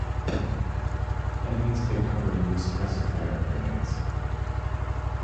Enemies take cover and use suppressive fire and grenades.